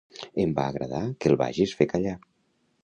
Em va agradar que el vagis fer callar.